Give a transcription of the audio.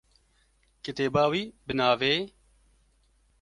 Kitêba wî bi navê